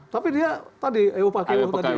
tapi dia tadi ewpku